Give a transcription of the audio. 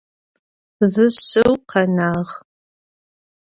Zı şşıu khenağ.